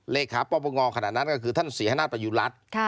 เหลศาประงอขนาดนั้นก็คือท่านศิริษฐานาศประยุรัติ